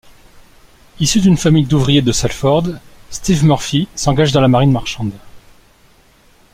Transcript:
Issu d'une famille d’ouvriers de Salford, Steve Murphy s'engage dans la Marine marchande.